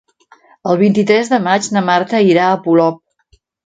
El vint-i-tres de maig na Marta irà a Polop.